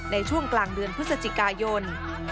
ในช่วงกลางเดือนพฤศจิกายน